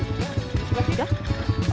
ya di sebelah tiga